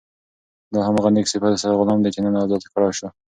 دا هماغه نېک صفته غلام دی چې نن ازاد کړای شو.